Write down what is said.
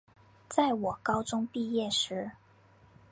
在我高中毕业时